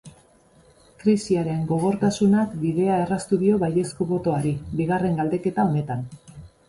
Krisiaren gogortasunak bidea erraztu dio baiezko botoari bigarren galdeketa honetan.